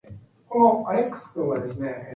No objections were raised.